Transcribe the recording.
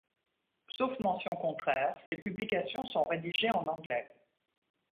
Sauf mention contraires, ces publications sont rédigées en anglais.